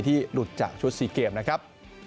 ที่หลุดจากชุดซีเกมนะครับ